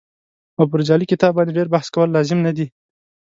او پر جعلي کتاب باندې ډېر بحث کول لازم نه دي.